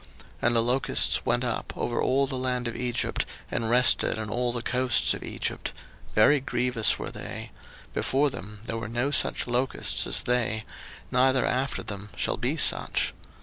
02:010:014 And the locust went up over all the land of Egypt, and rested in all the coasts of Egypt: very grievous were they; before them there were no such locusts as they, neither after them shall be such.